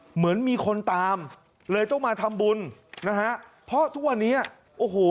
เหมือนมีคนตามเลยต้องมาทำบุญนะฮะเพราะทุกวันนี้โอ้โห